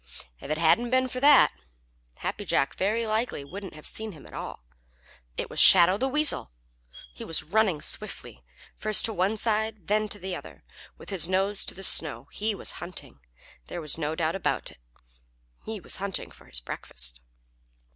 If it hadn't been for that, Happy Jack very likely wouldn't have seen him at all. It was Shadow the Weasel! He was running swiftly, first to one side and then to the other, with his nose to the snow. He was hunting. There was no doubt about that. He was hunting for his breakfast.